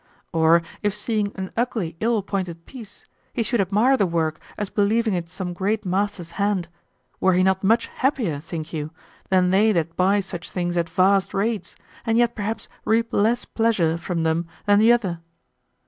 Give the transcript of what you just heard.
Or if seeing an ugly, ill pointed piece, he should admire the work as believing it some great master's hand, were he not much happier, think you, than they that buy such things at vast rates, and yet perhaps reap less pleasure from them than the other?